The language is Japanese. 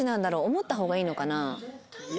思った方がいいのかな？